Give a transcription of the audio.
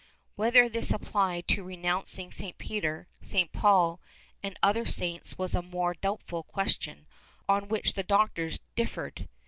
Whether this applied to renouncing St. Peter, St. Paul and other saints was a more doubtful question on which the doctors differed.